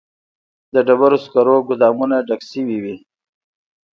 د ډبرو سکرو ګودامونه ډک شوي وي